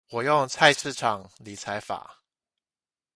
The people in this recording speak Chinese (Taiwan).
我用菜市場理財法